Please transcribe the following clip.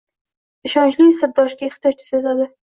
ishonchli sirdoshga ehtiyoj sezadi.